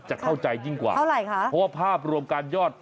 จะเข้าใจยิ่งกว่าเพราะว่าภาพรวมการยอด